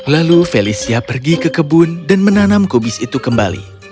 lalu felicia pergi ke kebun dan menanam kubis itu kembali